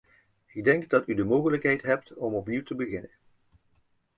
Ik denk dat u de mogelijkheid hebt om opnieuw te beginnen.